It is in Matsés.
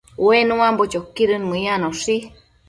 Ue nuambo choquidën mëyanoshi